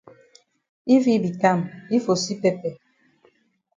If yi be kam yi for see pepper.